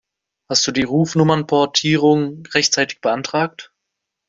Hast du die Rufnummernportierung rechtzeitig beantragt?